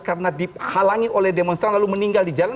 karena dihalangi oleh demonstran lalu meninggal di jalan